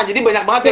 jadi banyak banget ya